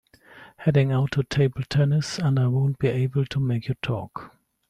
Heading out to table tennis and I won’t be able to make your talk.